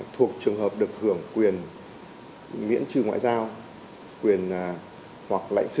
thuộc trường hợp được hưởng quyền miễn trừ ngoại giao quyền hoặc lãnh sự